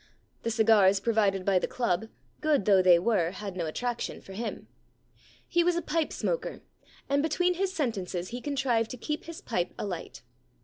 The cigars provided by the club, good though they were, had no attraction for him. He was a pipe smoker, and between his sentences he contrived to keep his pipe alight.